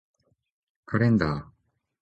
カレンダー